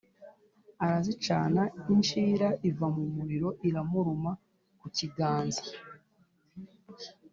arazicana incira iva mu muriro imuruma ku kiganza